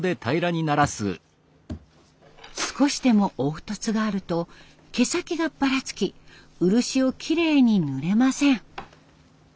少しでも凹凸があると毛先がばらつき漆をキレイに塗れません。